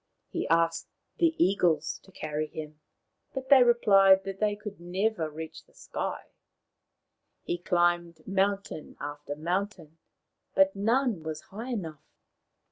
He asked the eagles to carry him, but they replied that they could never reach the sky. He climbed mountain after mountain, but none was high enough.